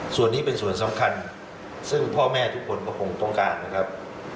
ส่วนนี้เป็นส่วนสำคัญซึ่งพ่อแม่ทุกคนก็คงต้องการนะครับ